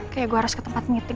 kayak gue harus ke tempat meeting